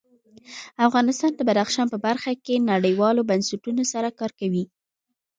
افغانستان د بدخشان په برخه کې نړیوالو بنسټونو سره کار کوي.